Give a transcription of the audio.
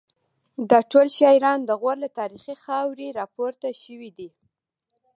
دا ټول شاعران د غور له تاریخي خاورې راپورته شوي دي